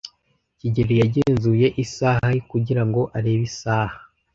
kigeli yagenzuye isaha ye kugirango arebe isaha.